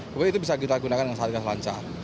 kemudian itu bisa kita gunakan dengan sangat lancar